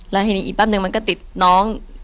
แล้วทีนี้อีกแป๊บนึงมันก็ติดน้อง